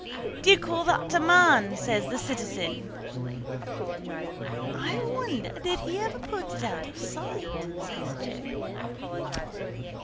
—Do you call that a man? says the citizen. —I wonder did he ever put it out of sight, says Joe.